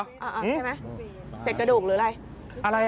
ใช่ไหมเสร็จกระดูกหรืออะไร